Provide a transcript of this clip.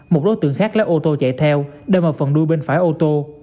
một đối tượng khác lái ô tô chạy theo đơm vào phần đuôi bên phải ô tô